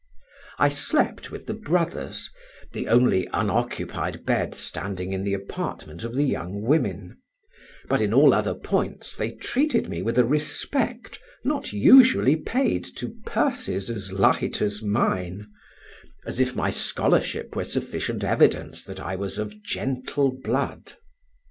I slept with the brothers, the only unoccupied bed standing in the apartment of the young women; but in all other points they treated me with a respect not usually paid to purses as light as mine—as if my scholarship were sufficient evidence that I was of "gentle blood."